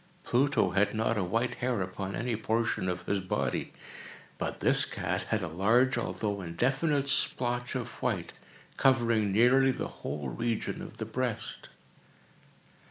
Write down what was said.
Pluto had not a white hair upon any portion of his body; but this cat had a large, although indefinite splotch of white, covering nearly the whole region of the breast.